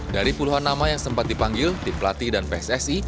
dari puluhan nama yang sempat dipanggil tim pelatih dan pssi